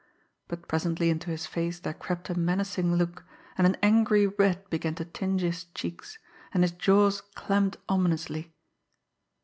But presently into his face there crept a menacing look, and an angry red began to tinge his cheeks, and his jaws clamped ominously.